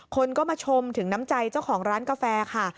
คนก็มาชมถึงน้ำใจเจ้าของร้านกาแฟค่ะ